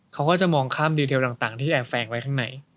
เขาก็จะมองข้ามดีเทลต่างที่แอบแฝงไว้ข้างใน